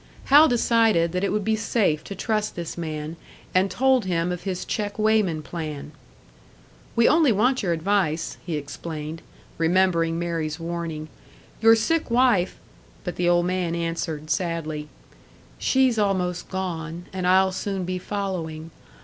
Hal decided that it would be safe to trust this man, and told him of his check weighman plan. "We only want your advice," he explained, remembering Mary's warning. "Your sick wife " But the old man answered, sadly, "She's almost gone, and I'll soon be following.